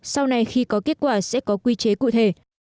sau này khi có kết quả sẽ có quy chế cụ thể